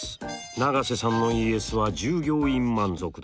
永瀬さんのＥＳは従業員満足度。